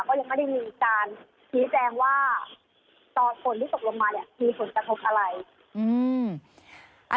ก็ยังไม่ได้มีอีกการพิแสงว่าตอนฝนที่ตกลงมามีผลกระทบอะไร